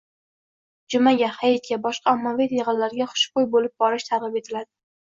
Jumaga, hayitga, boshqa ommaviy yig‘inlarga xushbo‘y bo‘lib borish targ‘ib etiladi.